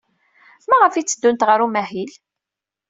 Maɣef ay tteddunt ɣer umahil?